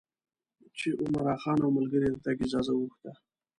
چې عمرا خان او ملګرو یې د تګ اجازه وغوښته.